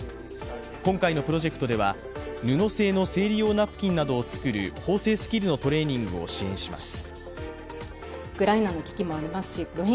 今回のプロジェクトでは布製の生理用ナプキンなどを作る縫製スキルのトレーニングを支援します。